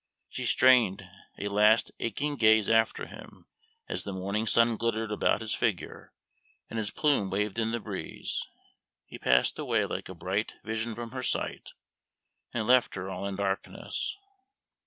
She strained a last aching gaze after him as the morning sun glittered about his figure and his plume waved in the breeze; he passed away like a bright vision from her sight, and left her all in darkness.